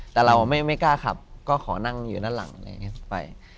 แต่เราไม่กล้าขับก็ขอนั่งอยู่ด้านหลังไป